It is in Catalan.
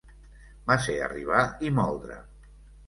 Va ser arribar i moldre.